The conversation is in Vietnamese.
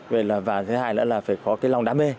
và thế hại là phải có cái lòng đam mê